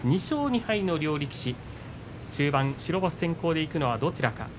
２勝２敗の両力士中盤、白星先行でいくのはどちらか。